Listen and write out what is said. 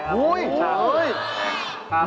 สงสัยมาก